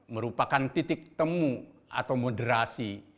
merupakan titik temu atau moderasi